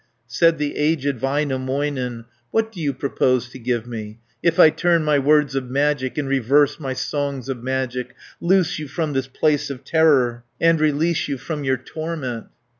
Said the aged Väinämöinen, "What do you propose to give me, If I turn my words of magic, And reverse my songs of magic, Loose you from this place of terror, And release you from your torment?"